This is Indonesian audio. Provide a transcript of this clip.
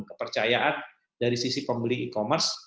kepercayaan dari sisi pembeli e commerce